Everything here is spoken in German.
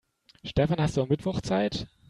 Stefan, hast du am Mittwoch Zeit?